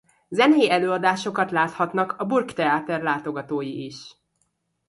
Zenei előadásokat láthatnak a Burgtheater látogatói is.